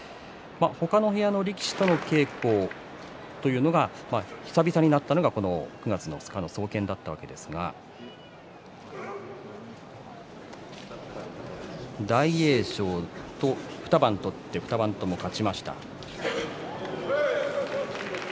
他の部屋の力士との稽古というのを久々にやったのが９月２日の総見だったんですが大栄翔と２番取って勝ちました。